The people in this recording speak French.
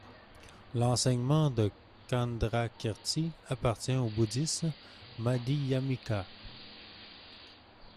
L'enseignement de Candrakīrti appartient au bouddhisme Madhyamika.